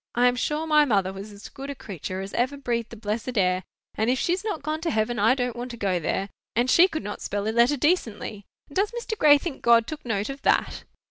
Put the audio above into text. I am sure my mother was as good a creature as ever breathed the blessed air; and if she's not gone to heaven I don't want to go there; and she could not spell a letter decently. And does Mr. Gray think God took note of that?"